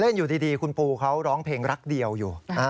อยู่ดีคุณปูเขาร้องเพลงรักเดียวอยู่